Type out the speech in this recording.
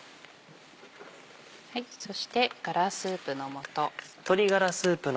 そしてガラスープの素。